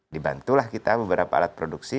dibantulah kita beberapa alat produksi